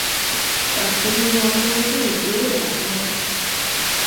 バッテリーが恐ろしい勢いでなくなる